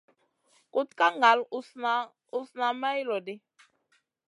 Kuɗ ka ŋal usna usna may lodi.